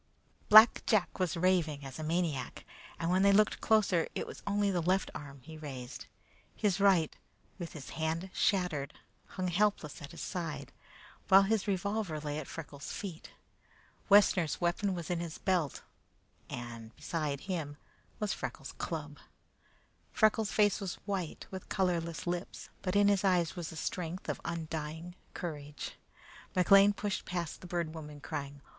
Black Jack was raving as a maniac, and when they looked closer it was only the left arm that he raised. His right, with the hand shattered, hung helpless at his side, while his revolver lay at Freckles' feet. Wessner's weapon was in his belt, and beside him Freckles' club. Freckles' face was white, with colorless lips, but in his eyes was the strength of undying courage. McLean pushed past the Bird Woman crying.